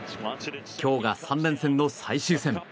今日が３連戦の最終戦。